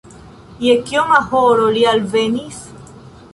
Je kioma horo li alvenis?